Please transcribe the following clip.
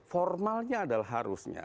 formalnya adalah harusnya